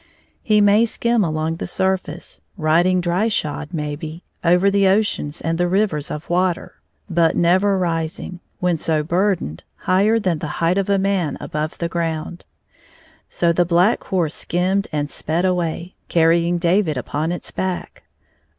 He may skim along the surface, riding dry shod, maybe, over the oceans and the rivers of water, but never rising, when so burdened, higher than the height of a man above the ground. So the Black Horse skimmed and sped away, carrying David upon its back.